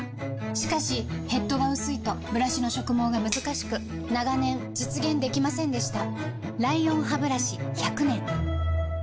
しかしヘッドが薄いとブラシの植毛がむずかしく長年実現できませんでした